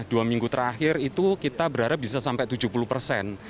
dua minggu terakhir itu kita berharap bisa sampai tujuh puluh persen